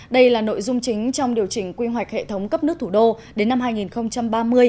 đây là nội dung chính trong điều chỉnh quy hoạch hệ thống cấp nước thủ đô đến năm hai nghìn ba mươi